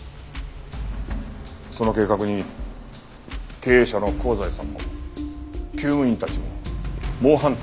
その計画に経営社の香西さんも厩務員たちも猛反対した。